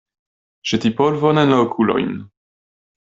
Ĵeti polvon en la okulojn.